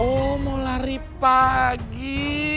oh mau lari pagi